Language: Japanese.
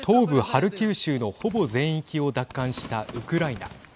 ハルキウ州のほぼ全域を奪還したウクライナ。